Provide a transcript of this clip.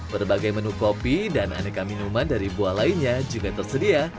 berbagai menu kopi dan aneka minuman dari buah lainnya juga tersedia